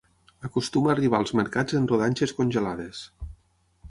Acostuma a arribar als mercats en rodanxes congelades.